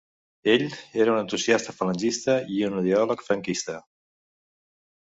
Ell "era un entusiasta falangista i un ideòleg franquista".